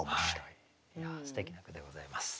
いやすてきな句でございます。